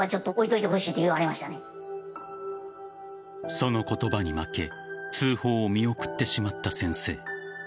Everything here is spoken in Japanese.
その言葉に負け通報を見送ってしまった先生。